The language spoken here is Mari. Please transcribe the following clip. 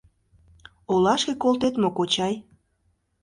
Олашке колтет мо, кочай?